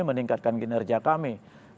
meningkatkan kinerja kami